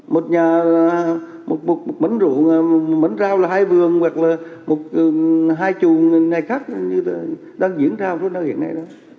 một mảnh rượu một mảnh rau là hai vườn hoặc là hai chù ngày khác như đang diễn ra hôm nay